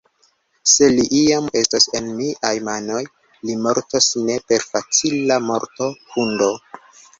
Se li iam estos en miaj manoj, li mortos ne per facila morto, hundo!